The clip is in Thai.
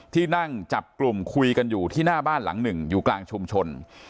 ที่นั่งจับกลุ่มคุยกันอยู่ที่หน้าบ้านหลังหนึ่งอยู่กลางชุมชน